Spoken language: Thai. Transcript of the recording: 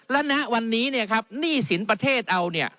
และณวันนี้เนี่ยครับหนี้สินประเทศเอาเนี่ย